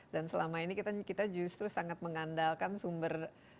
dan selama ini kita justru sangat mengandalkan sumber